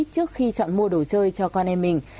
trước khi chọn mua đồ chơi cho con em mình